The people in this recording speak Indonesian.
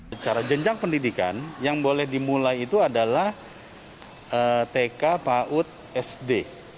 secara jenjang pendidikan yang boleh dimulai itu adalah tk paud sd